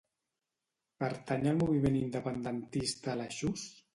Pertany al moviment independentista la Xus?